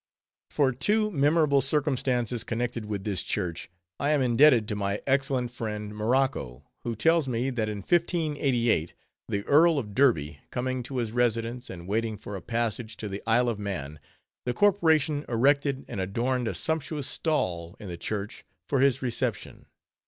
For two memorable circumstances connected with this church, I am indebted to my excellent friend, Morocco, who tells me that in 1588 the Earl of Derby, coming to his residence, and waiting for a passage to the Isle of Man, the corporation erected and adorned a sumptuous stall in the church for his reception.